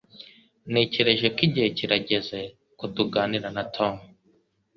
Ntekereza ko igihe kirageze ko tuganira na Tom.